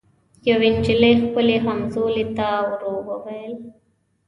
یوې نجلۍ خپلي همزولي ته ورو ووېل